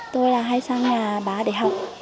tôi hay sang nhà bà để học